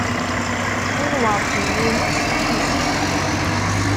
Win werǧin yumes ur yessizdig.